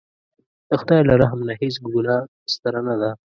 د خدای له رحم نه هېڅ ګناه ستره نه ده.